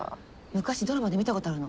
昔ドラマで見たことあるの。